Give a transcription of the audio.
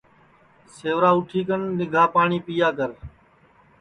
سیوا اُٹھی کن نیم گرم پاٹؔی پیا کر